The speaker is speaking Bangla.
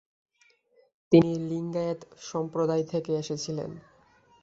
তিনি লিঙ্গায়েত সম্প্রদায় থেকে এসেছিলেন।